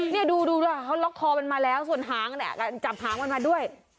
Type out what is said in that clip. นี่ดูเขาล็อกคอมันมาแล้วส่วนหางเนี่ยจับหางมันมาด้วย